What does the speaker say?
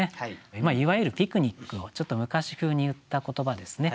いわゆるピクニックをちょっと昔風に言った言葉ですね。